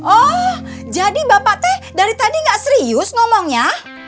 oh jadi bapak teh dari tadi nggak serius ngomongnya